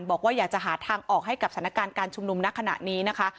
บอกว่าอยากจะหาทางออกให้กับสถานการณ์การชุมนุมณขณะนี้นะคะ